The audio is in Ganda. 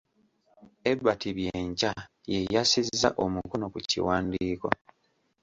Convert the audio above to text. Ebert Byenkya ye yassizza omukono ku kiwandiiko.